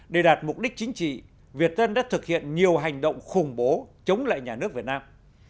để đạt mục đích chính trị việt tân đã thực hiện nhiều hành động khủng bố chống lại nhà nước việt nam